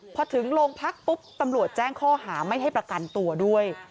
พอถึงโรงพักปุ๊บตำรวจแจ้งข้อหาไม่ให้ประกันตัวด้วย